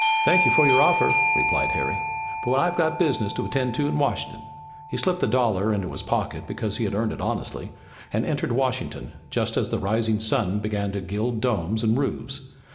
"Thank you for your offer," replied Harry, "but I've got business to attend to in Washington." He slipped the dollar into his pocket, because he had earned it honestly, and entered Washington, just as the rising sun began to gild domes and roofs.